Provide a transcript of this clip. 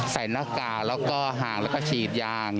ใส่หน้ากาห้างแล้วก็ฉีดยาง